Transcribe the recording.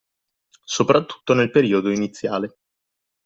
Soprattutto nel periodo iniziale